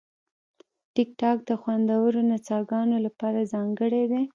ټیکټاک د خوندورو نڅاګانو لپاره ځانګړی دی.